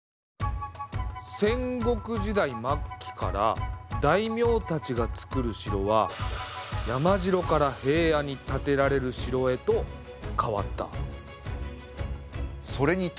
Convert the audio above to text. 戦国時代末期から大名たちがつくる城は山城から平野に建てられる城へと変わった。